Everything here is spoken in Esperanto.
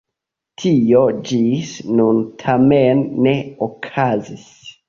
Tio ĝis nun tamen ne okazis.